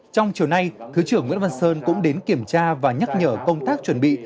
trong chiều nay thứ trưởng nguyễn văn sơn cũng đến kiểm tra và nhắc nhở công tác chuẩn bị